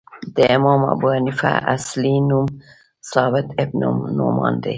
د امام ابو حنیفه اصلی نوم ثابت بن نعمان دی .